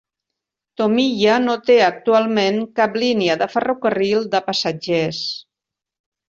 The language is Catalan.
Tomiya no té actualment cap línia de ferrocarril de passatgers.